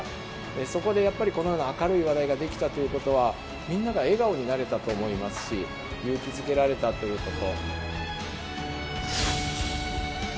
そこでやっぱりこのような明るい話題ができたっていうことは、みんなが笑顔になれたと思いますし、勇気づけられたということ。